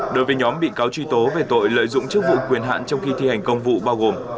đối với nhóm bị cáo truy tố về tội lợi dụng chức vụ quyền hạn trong khi thi hành công vụ bao gồm